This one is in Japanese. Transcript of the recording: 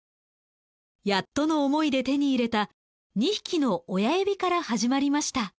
やっとの思いで手に入れた２匹の親エビから始まりました。